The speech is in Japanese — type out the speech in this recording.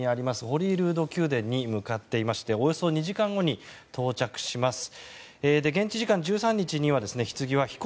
ホリールード宮殿に向かっていましておよそ２時間後に到着します。